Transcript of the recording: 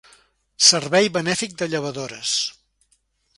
Servei benèfic de llevadores.